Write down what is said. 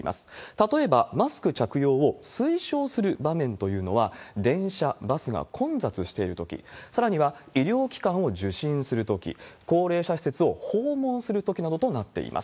例えば、マスク着用を推奨する場面というのは、電車、バスが混雑しているとき、さらには医療機関を受診するとき、高齢者施設を訪問するときなどとなっています。